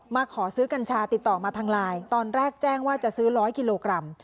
มาขอซื้อกัญชาติดต่อมาทางไลน์ตอนแรกแจ้งว่าจะซื้อ๑๐๐กิโลกรัม